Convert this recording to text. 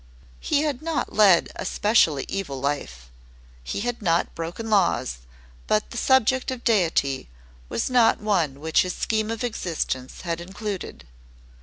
He had not led a specially evil life; he had not broken laws, but the subject of Deity was not one which his scheme of existence had included.